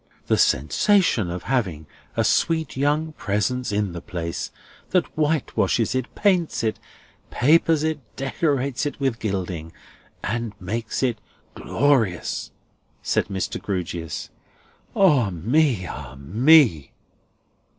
"The sensation of having a sweet young presence in the place, that whitewashes it, paints it, papers it, decorates it with gilding, and makes it Glorious!" said Mr. Grewgious. "Ah me! Ah me!"